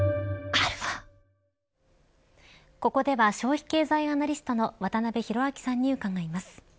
ここでは消費経済アナリストの渡辺広明さんに伺います。